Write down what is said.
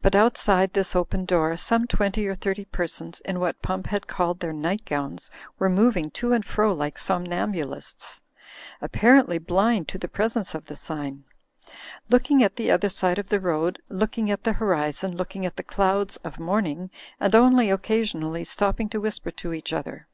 But outside this open door, some twenty or thirty persons in what Pump had called their night gowns were moving to and fro like somnambulists, apparently blind to the presence of the sign ; looking at the other side of the road, looking at the horizon, looking at the clouds of morning ; and only occasionally stopping to whisper to each other.